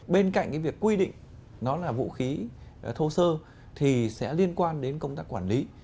bên cạnh cái việc quy định nó là vũ khí thô sơ thì sẽ liên quan đến công tác quản lý